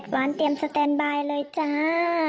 แบนบายเลยจ้า